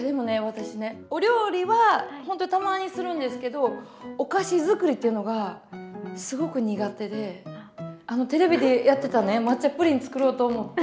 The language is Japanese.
私ねお料理はほんとにたまにするんですけどお菓子づくりっていうのがすごく苦手であのテレビでやってたね抹茶プリン作ろうと思って。